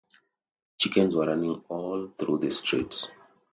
Chickens were running all through the streets.